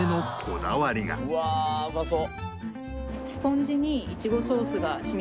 「うわあうまそう」